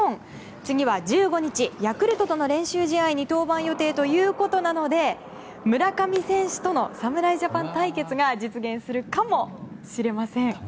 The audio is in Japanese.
次は１５日、ヤクルトとの練習試合に登板予定ということなので村上選手との侍ジャパン対決が実現するかもしれません。